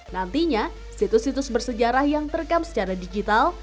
nantinya situs situs bersejarah yang terekam secara digital